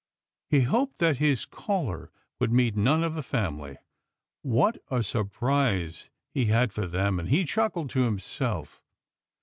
He hoped' that his caller would meet none of the family. What a surprise he had for them, and he chuckled to himself.